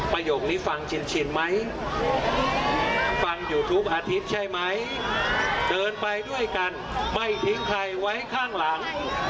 ประโยคนี้ฟังเชียนไหมฟังอยู่ทุกอาทิตย์ใช่ไหมเดินไปด้วยกันไม่ทิ้งใครไว้ข้างหลัง